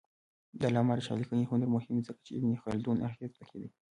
د علامه رشاد لیکنی هنر مهم دی ځکه چې ابن خلدون اغېز پکې دی.